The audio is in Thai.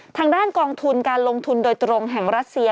ทางด้านกองทุนการลงทุนโดยตรงแห่งรัสเซีย